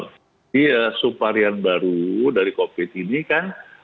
jadi suhu varian baru dari covid ini kan